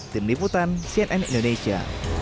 tim liputan cnn indonesia